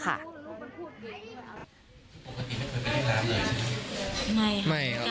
ปกติไม่เคยไปเล่นน้ำเลยใช่ไหม